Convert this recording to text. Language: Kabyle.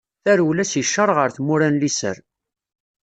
Tarewla seg ccer ɣer tmura n liser.